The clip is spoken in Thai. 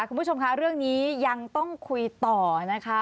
คุณผู้ชมคะเรื่องนี้ยังต้องคุยต่อนะคะ